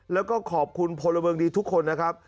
แล้วก็ขอบคุณพลเมืองดีทุกคนนะครับ